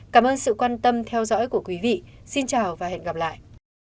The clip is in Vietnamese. cảm ơn sự quan tâm theo dõi của quý vị xin chào và hẹn gặp lại